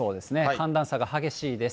寒暖差が激しいです。